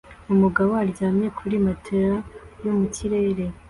Umugabo aryamye kuri matelas yo mu kirere